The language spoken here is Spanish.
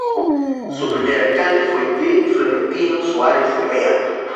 Su primer alcalde fue D. Florentino Suárez Rea.